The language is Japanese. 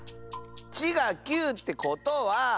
「ち」が９ってことは。